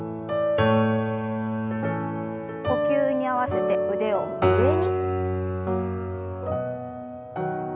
呼吸に合わせて腕を上に。